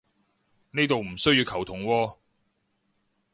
呢度唔需要球僮喎